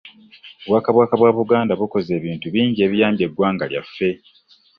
Obwakabaka bwa Buganda bukoze ebintu bingi ebiyambye eggwanga lyaffe.